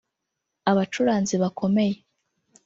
abacuranzi bakomeye